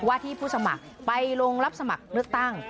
ที่ผู้สมัครไปลงรับสมัครเลือกตั้ง